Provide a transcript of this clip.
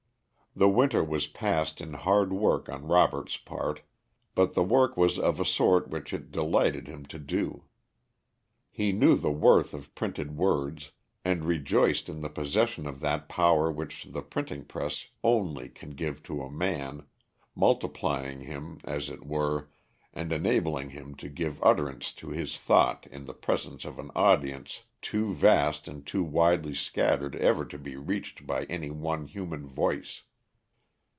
The winter was passed in hard work on Robert's part, but the work was of a sort which it delighted him to do. He knew the worth of printed words, and rejoiced in the possession of that power which the printing press only can give to a man, multiplying him, as it were, and enabling him to give utterance to his thought in the presence of an audience too vast and too widely scattered ever to be reached by any one human voice.